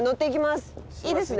いいですね？